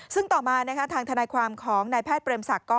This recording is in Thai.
ซึ่งต่อมาทางทนายความของนายแพทย์เปรมศักดิ์